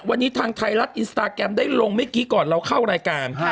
วันนี้ทางไทยรัฐอินสตาแกรมได้ลงเมื่อกี้ก่อนเราเข้ารายการ